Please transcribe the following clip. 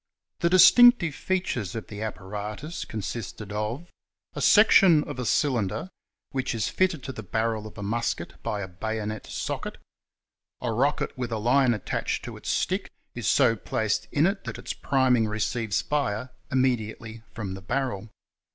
The distinctive features of the apparatus con sisted of * a section of a cylinder, which is fitted to the barrel of a musket by a bayonet socket ; a rocket with a line attached to its stick is so placed in it that its priming receives fire immediately from the barrel ' {Pari.